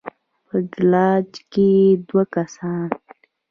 په ګراج کې دوه کسان